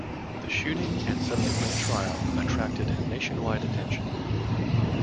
The shooting and subsequent trial attracted nationwide attention.